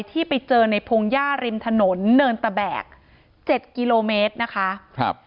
ที่ไปเจอในพงหญ้าริมถนนเนินตะแบกเจ็ดกิโลเมตรนะคะครับ